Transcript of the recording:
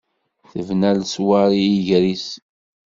Tebna leṣwaṛ i yiger-is.